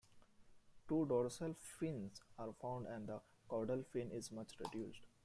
Two dorsal fins are found and the caudal fin is much reduced.